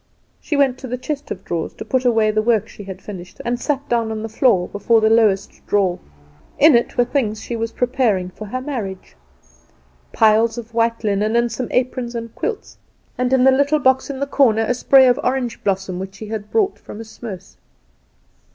She went to the chest of drawers to put away the work she had finished, and sat down on the floor before the lowest drawer. In it were the things she was preparing for her marriage. Piles of white linen, and some aprons and quilts; and in a little box in the corner a spray of orange blossom which she had bought from a smouse.